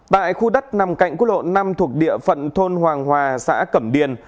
tại khu đất nằm cạnh quốc lộ năm thuộc địa phận thôn hoàng hòa xã cẩm điền